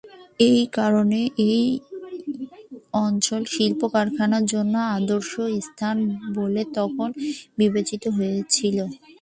একারণে এ অঞ্চল শিল্প-কারখানার জন্য আদর্শ স্থান বলে তখন বিবেচিত হয়েছিল।